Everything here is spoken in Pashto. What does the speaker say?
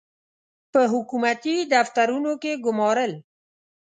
په حکومتي دفترونو کې ګومارل.